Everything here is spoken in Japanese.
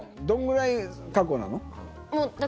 どんぐらい過去なの。